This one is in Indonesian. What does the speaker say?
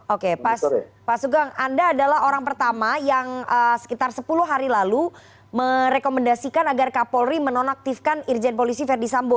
oke pak sugeng anda adalah orang pertama yang sekitar sepuluh hari lalu merekomendasikan agar kapolri menonaktifkan irjen polisi verdi sambo